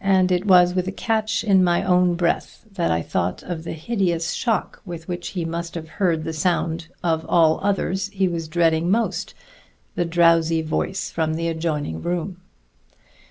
And it was with a catch in my own breath that I thought of the hideous shock with which he must have heard the sound of all others he was dreading most: the drowsy voice from the adjoining room.